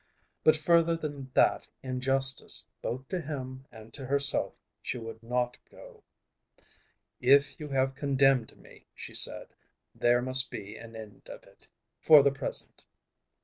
But further than that in justice both to him and to herself she would not go. "If you have condemned me," she said, "there must be an end of it, for the present."